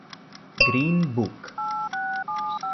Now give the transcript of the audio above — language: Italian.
Green Book